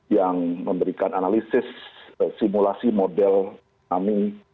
yang memberikan analisis simulasi model kami